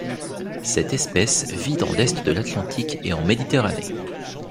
Cette espèce vit dans l'est de l’Atlantique et en Méditerranée.